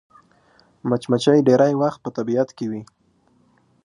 مچمچۍ ډېری وخت په طبیعت کې وي